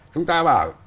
chúng ta bảo